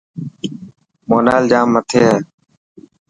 مونال ڄام مٿي هي.